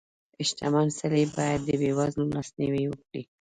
• شتمن سړی باید د بېوزلو لاسنیوی وکړي.